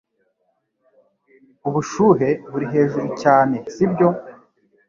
Ubushuhe buri hejuru cyane sibyo